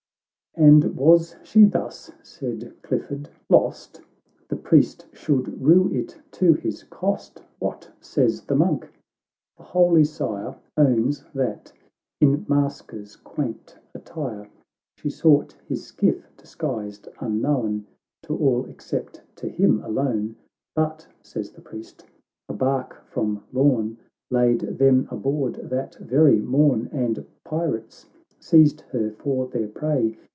XXIV " And was she thus," said Clifford, <c lost ? The priest should rue it to his cost ! What says the Monk ?"—" The holy Sire Own.=, fchat, in masquer's quaint attire, She sought his skiff, disguised, unknown. To all except to him alone. But, says the priest, a bark from Lorn Laid them aboard that very morn, And pirates seized her for their prey.